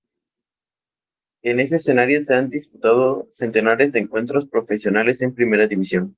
En ese escenario se han disputado centenares de encuentros profesionales en primera división.